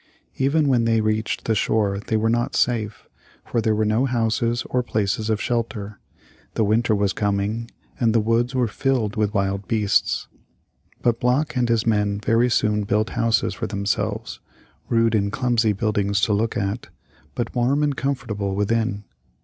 Even when they reached the shore they were not safe, for there were no houses or places of shelter; the winter was coming on, and the woods were filled with wild beasts. But Block and his men very soon built houses for themselves; rude and clumsy buildings to look at, but warm and comfortable within.